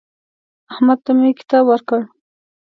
احمد ته مې کتاب ورکړ.